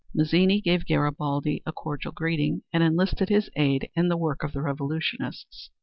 Mazzini gave Garibaldi a cordial greeting, and enlisted his aid in the work of the revolutionists.